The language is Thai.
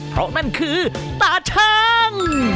เพราะนั่นคือตาชั่ง